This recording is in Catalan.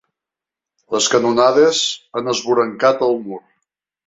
Les canonades han esvorancat el mur.